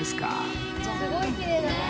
すごいきれいだね！